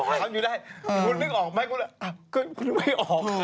คุณนึกออกไหมกูเลยคุณไม่ออกไง